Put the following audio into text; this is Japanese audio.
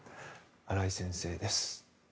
新井先生です。